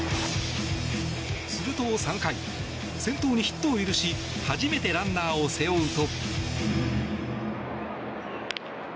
すると、３回先頭にヒットを許し初めてランナーを背負うと。